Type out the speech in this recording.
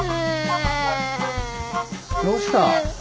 どうした？